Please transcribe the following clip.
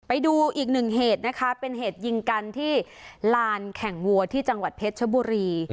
ไปดูอีกหนึ่งเหตุนะคะเป็นเหตุยิงกันที่ลานแข่งวัวที่จังหวัดเพชรชบุรี